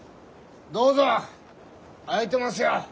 どうぞ開いてますよ！